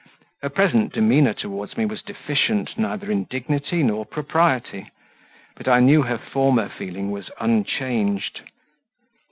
Her present demeanour towards me was deficient neither in dignity nor propriety; but I knew her former feeling was unchanged.